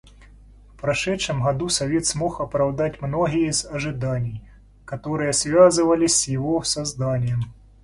В прошедшем году Совет смог оправдать многие из ожиданий, которые связывались с его созданием.